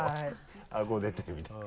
あご出てるみたいな。